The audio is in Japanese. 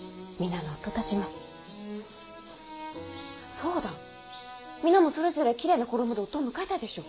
そうだ皆もそれぞれきれいな衣で夫を迎えたいでしょう。